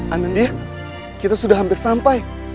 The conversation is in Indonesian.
anandek kita sudah hampir sampai